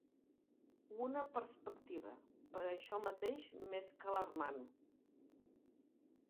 Una perspectiva, per això mateix, més que alarmant.